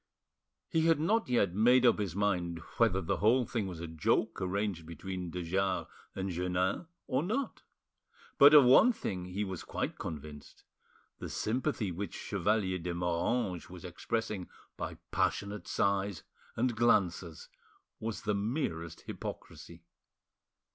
He had not yet made up his mind whether the whole thing was a joke arranged between de Jars and Jeannin or not, but of one thing he was quite convinced, the sympathy which Chevalier de Moranges was expressing by passionate sighs and glances was the merest hypocrisy.